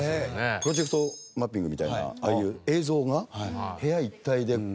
プロジェクトマッピングみたいなああいう映像が部屋一帯でこうね。